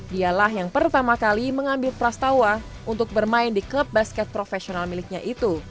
dialah yang pertama kali mengambil prastawa untuk bermain di klub basket profesional miliknya itu